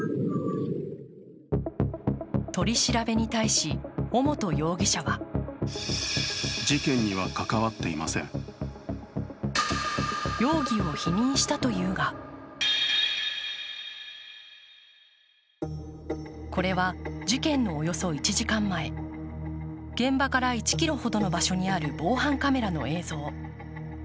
取り調べに対し、尾本容疑者は容疑を否認したというがこれは事件のおよそ１時間前、現場から１ｋｍほどの場所にある防犯カメラの映像。